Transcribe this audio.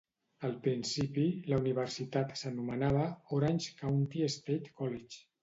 Al principi, la universitat s'anomenava Orange County State College.